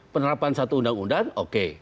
penerapan satu undang undang oke